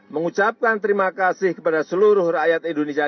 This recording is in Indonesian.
mengucapkan terima kasih kepada seluruh rakyat indonesia